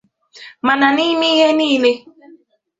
Mana n’ime ihe nile